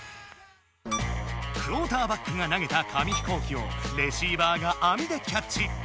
クオーターバックが投げた紙飛行機をレシーバーがあみでキャッチ。